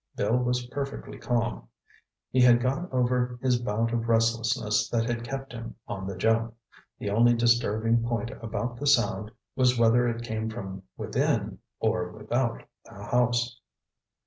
Bill was perfectly calm. He had got over his bout of restlessness that had kept him on the jump. The only disturbing point about the sound was whether it came from within or without the house.